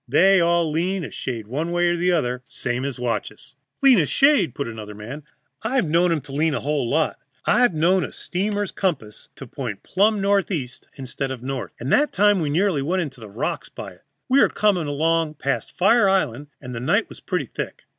They all lean a shade one way or the other, same as watches." "Lean a shade!" put in another man. "I've known 'em to lean a whole lot. I've known a steamer's compass to point plumb northeast instead of north. And that time we nearly went on the rocks by it. We were coming along past Fire Island, and the night was pretty thick.